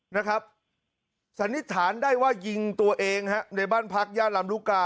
นะครับสันนิษฐานได้ว่ายิงตัวเองฮะในบ้านพักย่านลำลูกกา